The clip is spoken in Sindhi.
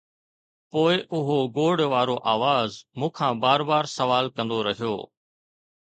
پوءِ اهو گوڙ وارو آواز مون کان بار بار سوال ڪندو رهيو